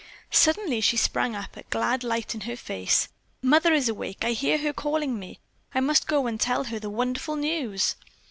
Suddenly she sprang up, a glad light in her face. "Mother is awake! I hear her calling me. I must go and tell her the wonderful news."